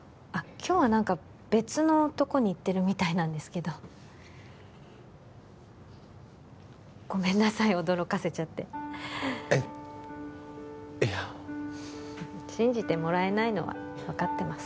今日は何か別のとこに行ってるみたいなんですけどごめんなさい驚かせちゃってえっいや信じてもらえないのは分かってます